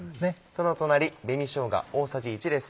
その隣紅しょうが大さじ１です。